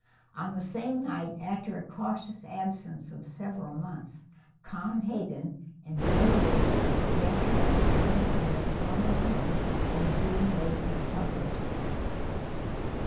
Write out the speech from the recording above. On the same night after a cautious absence of several months Con Hegan and Billy Gates ventured to return to their former homes in the Boone Lake suburbs.